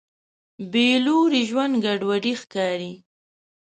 بېلوري ژوند ګډوډ ښکاري.